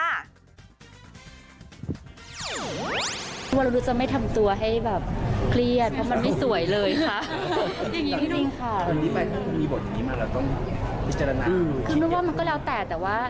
ดูววันนี้ดูจะไม่ทำตัวให้เกลียดเพราะมันไม่สวยเลยค่ะ